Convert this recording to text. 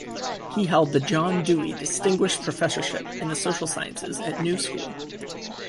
He held the John Dewey Distinguished Professorship in the Social Sciences at New School.